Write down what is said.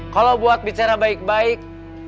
kalau buat bicara baik baik